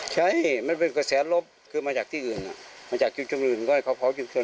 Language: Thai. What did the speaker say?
ใช่เราไม่รู้เนี่ย